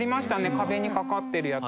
壁にかかってるやつ。